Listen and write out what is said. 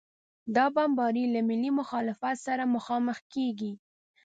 دا بمبارۍ له ملي مخالفت سره مخامخ کېږي.